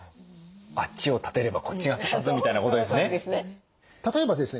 あっちを立てればこっちが立たずみたいなことですね。